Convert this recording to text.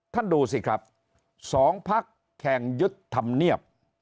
ท่านดูสิครับสองพักแข่งยึดทำเนียบ